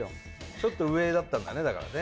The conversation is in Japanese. ちょっと上だったんだねだからね